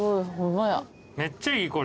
めっちゃいいこれ。